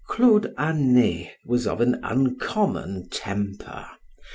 Claude Anet was of an uncommon temper.